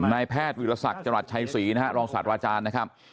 ในแพทย์วิทยาศักดิ์จังหลัดชัยศรีนะฮะรองศาสตราจารย์นะครับ